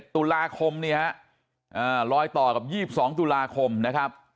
ตุลาคมเนี่ยฮะลอยต่อกับ๒๒ตุลาคมนะครับ